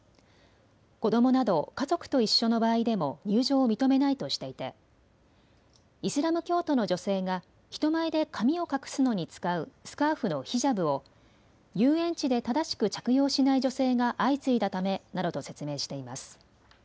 子どもなど家族と一緒の場合でも入場を認めないとしていてイスラム教徒の女性が人前で髪を隠すのに使うスカーフのヒジャブを遊園地で正しく着用しない女性が相次いだためなどと説明しています。